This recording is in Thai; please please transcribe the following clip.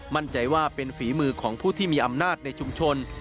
มั่นใจว่าเป็นฝีมือของผู้ที่มีอำนาจในชุมชน